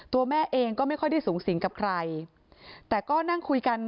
ตัวแม่เองก็ไม่ค่อยได้สูงสิงกับใครแต่ก็นั่งคุยกัน